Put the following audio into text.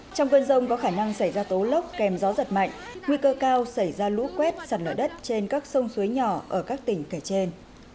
trong cơn rông có khả năng xảy ra tố lốc kèm gió giật mạnh nguy cơ cao xảy ra lũ quét sạt lở đất trên các sông suối nhỏ ở các tỉnh kể trên